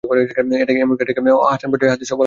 এমনকি এটাকে হাসান পর্যায়ের হাদীসও বলা যায় না।